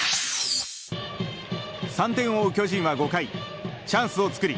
３点を追う巨人は５回チャンスを作り